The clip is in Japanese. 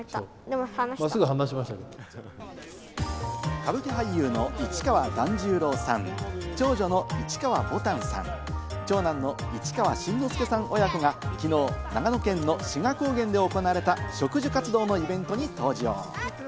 歌舞伎俳優の市川團十郎さん、長女の市川ぼたんさん、長男の市川新之助さん親子が、きのう長野県の志賀高原で行われた、植樹活動のイベントに登場。